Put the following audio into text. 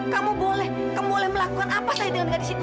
kamu boleh kamu boleh melakukan apa saya dengan gadis itu